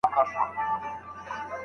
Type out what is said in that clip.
ماشومان باید د غره په لمن کې وګرځي.